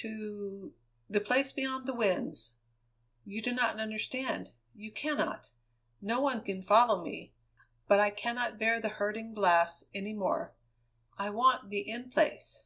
"To the Place Beyond the Winds! You do not understand. You cannot; no one can follow me; but I cannot bear the hurting blasts any more. I want the In Place."